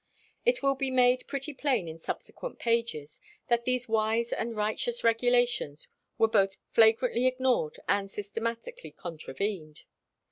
It will be made pretty plain in subsequent pages, that these wise and righteous regulations were both flagrantly ignored and systematically contravened.